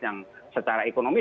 yang secara ekonomi